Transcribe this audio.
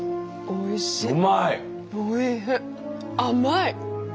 おいしい。